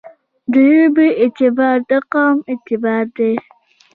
دژبې اعتبار دقوم اعتبار دی.